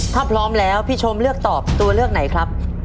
ถ้าพร้อมแล้วพี่ชมเลือกตอบตัวเลือกไหนครับ